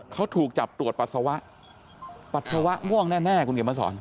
เขาถูกจับตรวจปัสสาวะปัสสาวะม่วงแน่คุณเขียนมาสอน